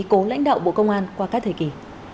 cố lãnh đạo bộ công an qua các thời kỳ